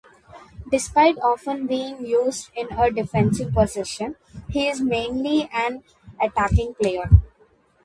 Despite often being used in a defensive position he is mainly an attacking player.